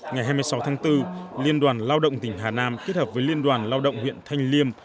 ngày hai mươi sáu tháng bốn liên đoàn lao động tỉnh hà nam kết hợp với liên đoàn lao động huyện thanh liêm